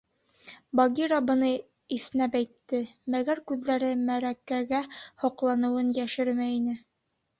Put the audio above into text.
— Багира быны иҫнәп әйтте, мәгәр күҙҙәре «мәрәкә»гә һоҡланыуын йәшермәй ине.